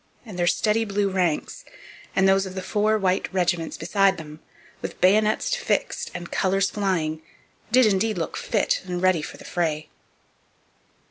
And their steady blue ranks, and those of the four white regiments beside them, with bayonets fixed and colours flying, did indeed look fit and ready for the fray.